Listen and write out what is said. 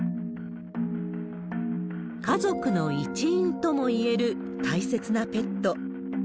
家族の一員とも言える大切なペット。